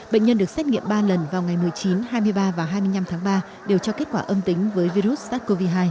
bệnh nhân được xét nghiệm ba lần vào ngày một mươi chín hai mươi ba và hai mươi năm tháng ba đều cho kết quả âm tính với virus sars cov hai